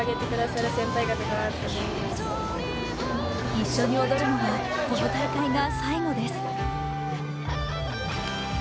一緒に踊るのはこの大会が最後です。